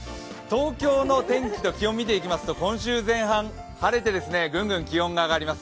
東京の天気と気温を見ていきますと、今週前半、晴れてぐんぐん気温が上がります。